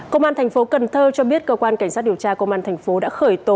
công an thành phố cần thơ cho biết cơ quan cảnh sát điều tra công an thành phố đã khởi tố